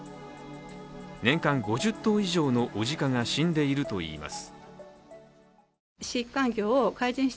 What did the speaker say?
年間５０頭以上の雄鹿が死んでいるといいます。